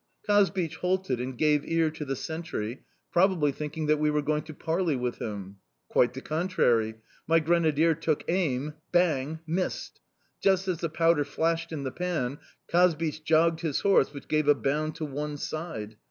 "Kazbich halted and gave ear to the sentry probably thinking that we were going to parley with him. Quite the contrary!... My grenadier took aim... Bang!... Missed!... Just as the powder flashed in the pan Kazbich jogged his horse, which gave a bound to one side.